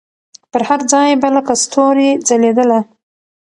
پر هر ځای به لکه ستوري ځلېدله